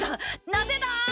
なぜだ？